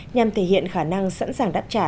nhằm thể hiện khả năng sẵn sàng đáp trả